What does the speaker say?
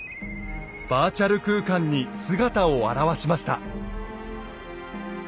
バーチャル空間に姿を現しました。